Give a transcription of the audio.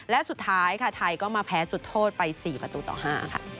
และสุดท้ายค่ะไทยก็มาแพ้จุดโทษไป๔ประตูต่อ๕ค่ะ